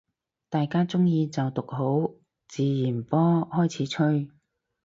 大家鍾意就讚好，自然波開始吹